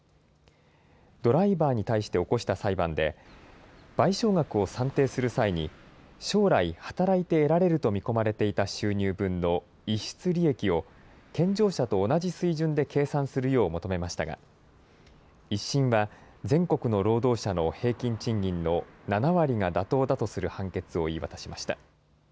ドライバーに対して起こした裁判で、賠償額を算定する際に、将来、働いて得られると見込まれていた収入分の逸失利益を、健常者と同じ水準で計算するよう求めましたが、１審は、全国の労働者の平均賃金の７割が妥当だとする判決が言い渡しました。